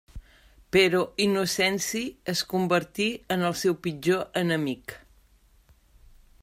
Però Innocenci es convertí en el seu pitjor enemic.